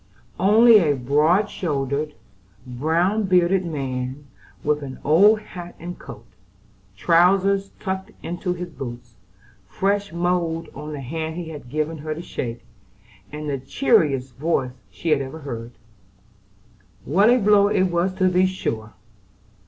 Only a broad shouldered, brown bearded man, with an old hat and coat, trousers tucked into his boots, fresh mould on the hand he had given her to shake, and the cheeriest voice she had ever heard. What a blow it was to be sure!